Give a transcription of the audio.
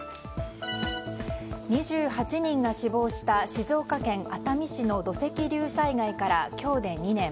２８人が死亡した静岡県熱海市の土石流災害から今日で２年。